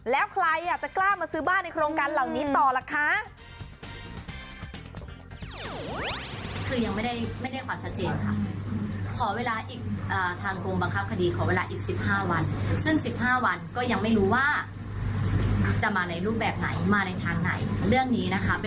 แล้วใครจะกล้ามาซื้อบ้านในโครงการเหล่านี้ต่อล่ะคะ